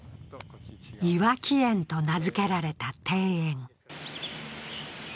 磐城園と名付けられた庭園。